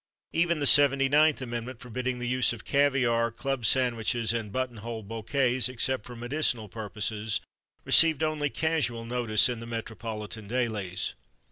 Even the Seventy ninth Amendment forbidding "the use of caviar, club sandwiches, and buttonhole bouquets, except for medicinal purposes," received only casual notice in the Metropolitan Dailies.